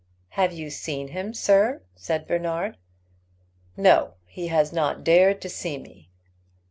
"Have you seen him, sir?" asked Bernard. "No, he has not dared to see me."